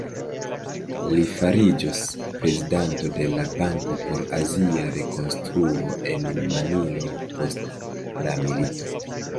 Li fariĝos prezidanto de la Banko por Azia Rekonstruo en Manilo post la milito.